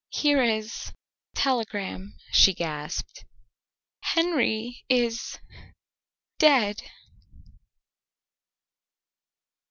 "Here is a telegram," she gasped. "Henry is dead."